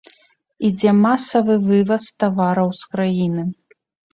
Ідзе масавы вываз тавараў з краіны.